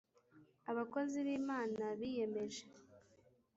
Abakozi b Imana biyemeje